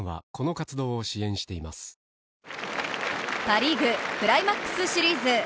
パ・リーグ、クライマックスシリーズ。